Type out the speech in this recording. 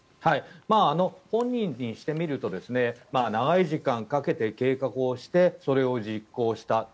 本人にしてみると長い時間かけて計画をしてそれを実行したと。